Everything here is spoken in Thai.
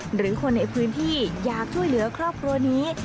หรือคนในพื้นที่อยากช่วยเหลือครอบครัวนี้